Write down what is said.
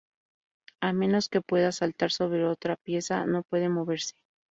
A menos que pueda saltar sobre otra pieza, no puede moverse.